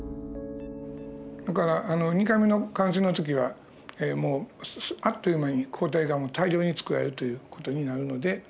だから２回目の感染の時はもうあっという間に抗体が大量につくられるという事になるので。